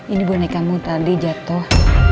ini bonekamu tadi jatuh